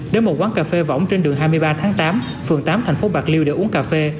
đến một quán cà phê vỏng trên đường hai mươi ba tháng tám phường tám thành phố bạc liêu để uống cà phê